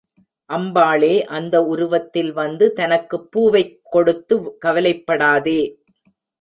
அம்பாளே அந்த உருவத்தில் வந்து தனக்குப் பூவைக் கொடுத்து, கவலைப்படாதே!